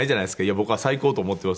僕は最高と思っています。